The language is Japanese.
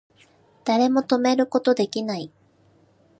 誰も止めること出来ない